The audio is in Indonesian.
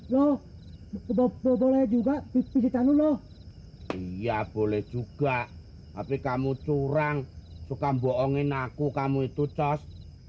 loh bobole juga pijitan lu loh iya boleh juga tapi kamu curang suka boongin aku kamu itu cos